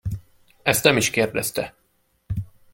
Ezt nem is kérdezte.